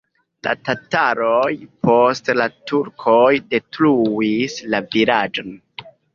La tataroj, poste la turkoj detruis la vilaĝon.